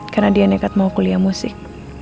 karena dia nekat mau kuliah musik